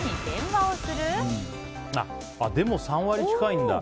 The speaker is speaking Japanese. でも３割近いんだ。